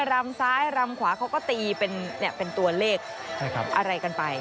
รำซ้ายรำขวาเขาก็ตีเป็นตัวเลขอะไรกันไป